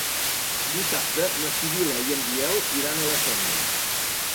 Dissabte na Sibil·la i en Biel iran a la Sénia.